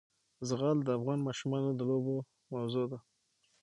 زغال د افغان ماشومانو د لوبو موضوع ده.